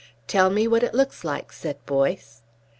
"Tell me what it looks like," said Boyce.